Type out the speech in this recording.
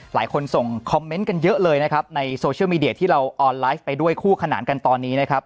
ส่งคอมเมนต์กันเยอะเลยนะครับในโซเชียลมีเดียที่เราออนไลฟ์ไปด้วยคู่ขนานกันตอนนี้นะครับ